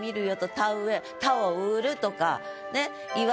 田植え「田を植うる」とか。